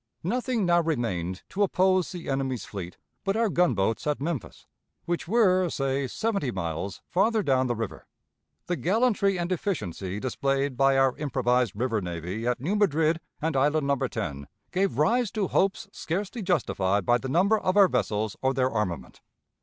Nothing now remained to oppose the enemy's fleet but our gunboats at Memphis, which were, say, seventy miles farther down the river. The gallantry and efficiency displayed by our improvised river navy at New Madrid and Island No. 10 gave rise to hopes scarcely justified by the number of our vessels or their armament.